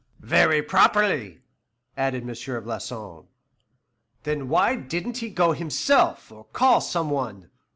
"Very properly," added M. Floçon. "Then why didn't he go himself, or call some one?